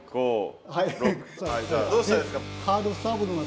どうしたらいいですか？